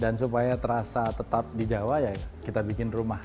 dan supaya terasa tetap di jawa ya kita bikin rumah